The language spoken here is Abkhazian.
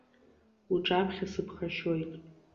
Уҿаԥхьа сыԥхашьоит.